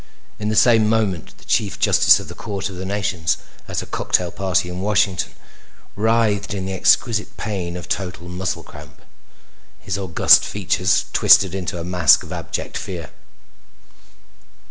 In the same moment the Chief Justice of the Court of the Nations, at a cocktail party in Washington, writhed in the exquisite pain of total muscle cramp, his august features twisted into a mask of abject fear.